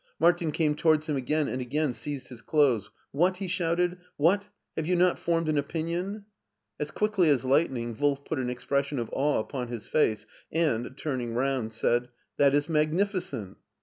Martin came towards him again, and again seized his clothes. "What!" he shouted, "What! Have you not formed an opinion ?" As quickly as lightning Wolf put an expression of awe upon his face and, turning around, said :" That is magnificent."